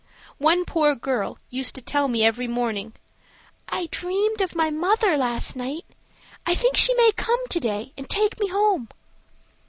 One poor girl used to tell me every morning, "I dreamed of my mother last night. I think she may come to day and take me home."